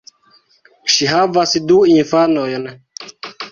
Ŝi havas du infanojn.